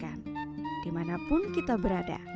saling ada sama dibote' dalat